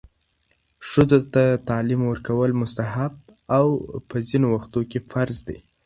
ښځو ته تعلیم ورکول مستحب او په ځینو وختونو کې فرض دی.